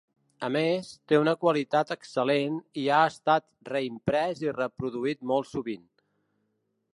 A més, té una qualitat excel·lent i ha estat reimprès i reproduït molt sovint.